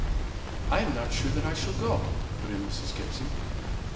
"I am not sure that I shall go," put in Mrs. Gibson.